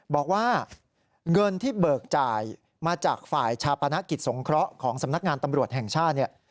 บอกว่าเงินที่เบิกจ่ายมาจากฝ่ายชาปนกิจสงเคราะห์ของสำนักงานตำรวจแห่งชาติเนี่ย